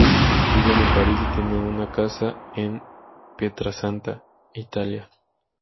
Viven en París y tienen una casa en Pietrasanta, Italia.